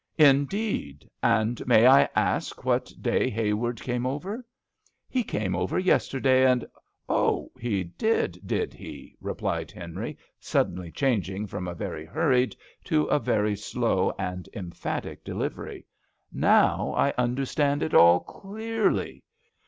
" Indeed ! And may I ask what day Hayward came over ?" "He came over yesterday, and "" Oh I he did, did he ?" replied 1 66 GRANNY LOVELOCK AT HOME. Henry, suddenly changing from a very hurried, to a very slow and emphatic delivery. " Now I understand it all clearly.